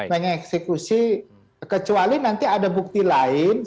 mengeksekusi kecuali nanti ada bukti lain